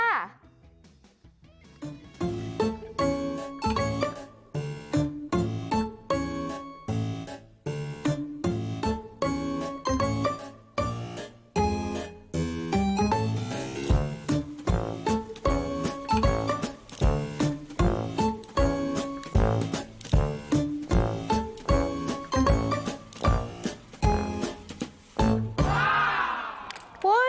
อ้าว